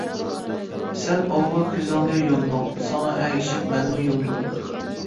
سەن ئاۋۋال كۆزۈڭنى يۇمدۇڭ، ساڭا ئەگىشىپ مەنمۇ يۇمدۇم.